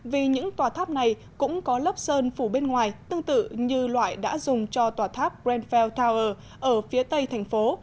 vì những tòa tháp này cũng có lớp sơn phủ bên ngoài tương tự như loại đã dùng cho tòa tháp brandfell tower ở phía tây thành phố